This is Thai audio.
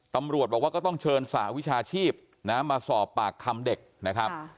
ตำรวจบอกว่าก็ต้องเชิญสหวิชาชีพมาสอบปากคำเด็กนะครับ